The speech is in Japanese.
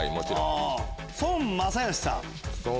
孫正義さん。